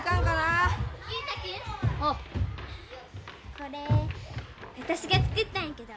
これ私が作ったんやけど。